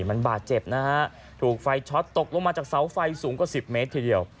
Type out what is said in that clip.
มันบาดเจ็บนะฮะถูกไฟช็อตตกลงมาจากเสาไฟสูงกว่า๑๐เมตรทีเดียว